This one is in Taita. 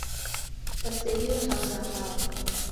Kwaselie hao na hao?